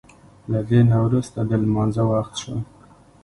له دې نه وروسته د لمانځه وخت شو.